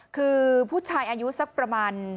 คือผู้ชายอายุสักประมาณ